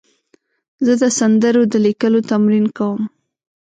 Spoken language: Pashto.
زه د سندرو د لیکلو تمرین کوم.